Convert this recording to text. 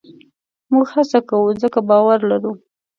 موږ هڅه کوو؛ ځکه باور لرو.